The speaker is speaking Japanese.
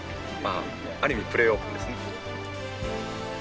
ある意味プレオープンですね。